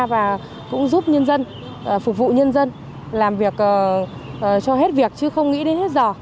và cũng giúp nhân dân phục vụ nhân dân làm việc cho hết việc chứ không nghĩ đến hết giờ